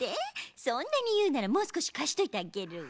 そんなにいうならもうすこしかしといてあげるわ。